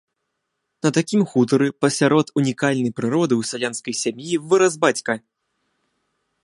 На такім хутары пасярод унікальнай прыроды ў сялянскай сям'і вырас бацька.